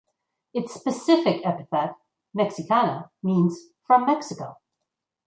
Its specific epithet ""mexicana"" means "from Mexico".